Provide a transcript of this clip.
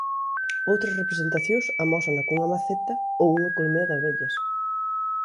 Outras representacións amósana cunha maceta ou unha colmea de abellas.